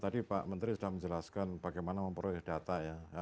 jadi tadi pak menteri sudah menjelaskan bagaimana memproyek data ya